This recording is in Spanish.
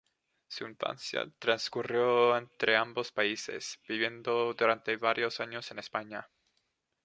Su infancia transcurrió entre ambos países, viviendo durante varios años en España.